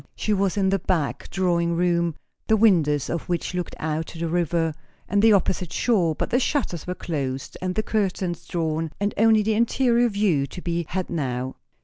She was in the back drawing room, the windows of which looked out to the river and the opposite shore; but the shutters were closed and the curtains drawn, and only the interior view to be had now.